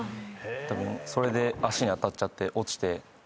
それで脚に当たっちゃって落ちて。